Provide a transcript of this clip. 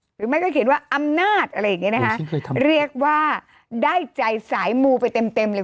หรือไม่ก็เขียนว่าอำนาจอะไรอย่างนี้นะคะเรียกว่าได้ใจสายมูไปเต็มเต็มเลย